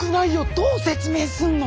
どう説明すんの？